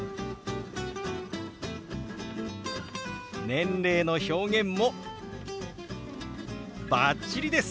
年齢の表現もバッチリです！